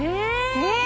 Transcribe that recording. え！